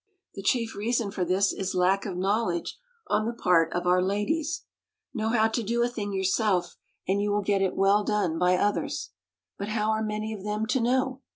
The chief reason for this is lack of knowledge on the part of our ladies: know how to do a thing yourself, and you will get it well done by others. But how are many of them to know?